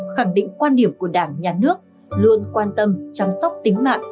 khẳng định quan điểm của đảng nhà nước luôn quan tâm chăm sóc tính mạng